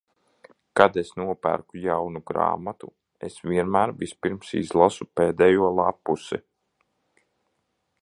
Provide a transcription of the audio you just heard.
Kad es nopērku jaunu grāmatu, es vienmēr vispirms izlasu pēdējo lappusi.